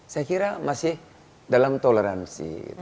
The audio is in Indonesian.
saya kira masih dalam toleransi